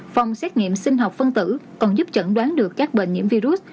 phòng xét nghiệm sinh học phân tử còn giúp chẩn đoán được các bệnh nhiễm virus